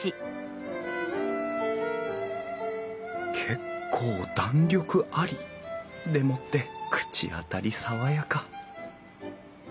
結構弾力あり。でもって口当たり爽やか！